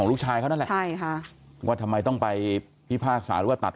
ลูกชายเขานั่นแหละใช่ค่ะว่าทำไมต้องไปพิพากษาหรือว่าตัด